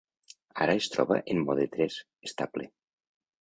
Ara es troba en mode tres, estable.